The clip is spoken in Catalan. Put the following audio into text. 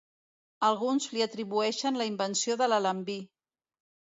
Alguns li atribueixen la invenció de l'alambí.